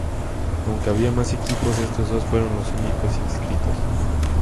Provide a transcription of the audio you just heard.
Aunque había más equipos, estos dos fueron los únicos inscritos.